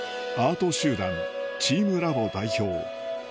アート集団チームラボ代表